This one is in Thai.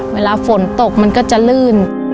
เวลาฝนตกมันก็จะลื่น